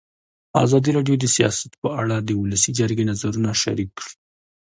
ازادي راډیو د سیاست په اړه د ولسي جرګې نظرونه شریک کړي.